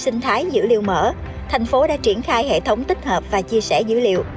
thành phố đã truyền thái dữ liệu mở thành phố đã triển khai hệ thống tích hợp và chia sẻ dữ liệu